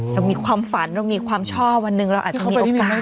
เรามีความฝันเรามีความชอบวันหนึ่งเราอาจจะมีโอกาส